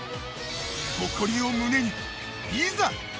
誇りを胸に、いざ。